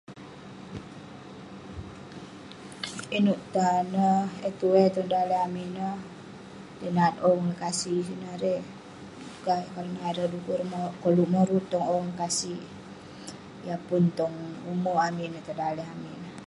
Inouk tan neh, eh tuwai tong daleh amik ineh, tai nat Ong Lekasi sineh erei..suka ireh nat..du'kuk mauk ireh koluk moruk tong Ong Lekasi yah pun tong umerk amik ineh, tong daleh amik ineh..